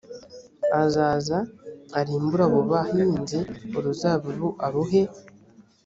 azaza arimbure abo bahinzi uruzabibu aruhe